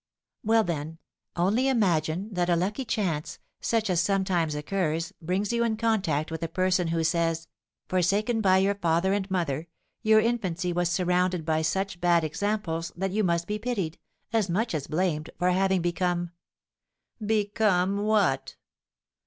"Well, then, only imagine that a lucky chance, such as sometimes occurs, brings you in contact with a person who says, 'Forsaken by your father and mother, your infancy was surrounded by such bad examples that you must be pitied, as much as blamed, for having become '" "Become what?"